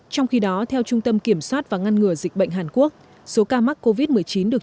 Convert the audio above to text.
trong khi đó theo trung tâm kiểm soát và ngăn ngừa dịch bệnh hàn quốc số ca mắc covid một mươi chín được